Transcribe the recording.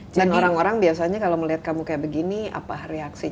dan orang orang biasanya kalau melihat kamu kayak begini apa reaksinya